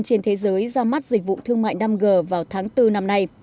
trên thế giới ra mắt dịch vụ thương mại năm g vào tháng bốn năm nay